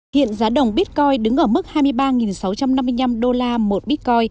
hiện giá đồng bitcoin đứng ở mức hai mươi ba sáu trăm năm mươi năm